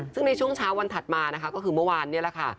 ซึ่งในช่วงเช้าวันถัดมานะคะก็คือเมื่อวานนี้แหละค่ะ